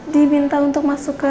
dibinta untuk masuk ke